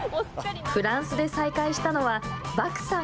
フランスで再会したのはバクさん